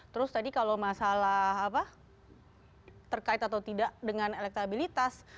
terus tadi kalau masalah apa terkait atau tidak dengan elektabilitas